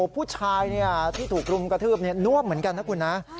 ผู้ชายที่ถูกกลุ่มกระทืบเนี่ยนว่ำเหมือนกันนะคุณนะ